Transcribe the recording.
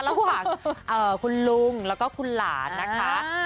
ระหว่างคุณลุงแล้วก็คุณหลานนะคะ